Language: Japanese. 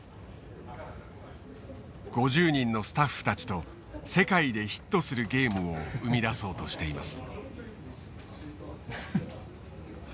５０人のスタッフたちと世界でヒットするゲームを生み出そうとしています。